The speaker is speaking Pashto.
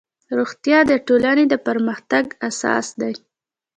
روغتیا د ټولنې د پرمختګ اساس دی